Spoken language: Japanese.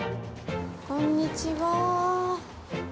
こんにちは。